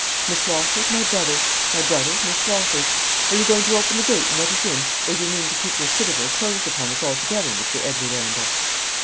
Miss Lawford, my brother; my brother, Miss Lawford. Are you going to open the gate and let us in, or do you mean to keep your citadel closed upon us altogether, Mr. Edward Arundel?"